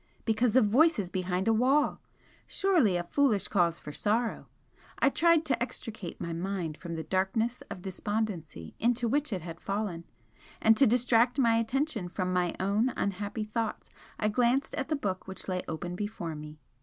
Because of voices behind a wall! Surely a foolish cause for sorrow! I tried to extricate my mind from the darkness of despondency into which it had fallen, and to distract my attention from my own unhappy thoughts I glanced at the book which lay open before me.